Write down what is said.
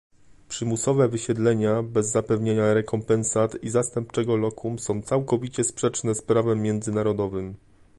Przymusowe wysiedlenia bez zapewnienia rekompensat i zastępczego lokum są całkowicie sprzeczne z prawem międzynarodowym